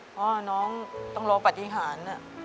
เพราะว่าน้องต้องรอปฏิหาร